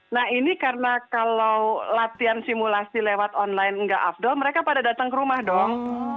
nah ini karena kalau latihan simulasi lewat online nggak afdol mereka pada datang ke rumah dong